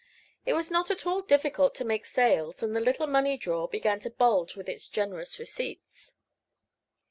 It was not at all difficult to make sales, and the little money drawer began to bulge with its generous receipts.